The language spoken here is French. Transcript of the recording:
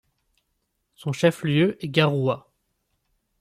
Son chef-lieu est Garoua.